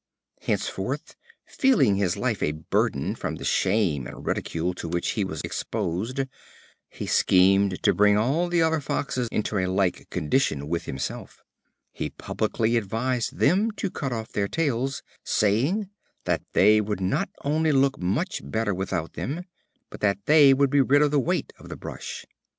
Henceforth, feeling his life a burden from the shame and ridicule to which he was exposed, he schemed to bring all the other Foxes into a like condition with himself. He publicly advised them to cut off their tails, saying "that they would not only look much better without them, but that they would get rid of the weight of the brush."